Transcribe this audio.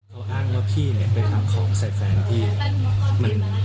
ไปไปถ่ายแฟนที่มัน